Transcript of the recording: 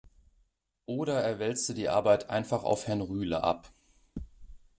Oder er wälzt die Arbeit einfach auf Herrn Rühle ab.